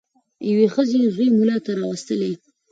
یوې ښځي زوی مُلا ته راوستلی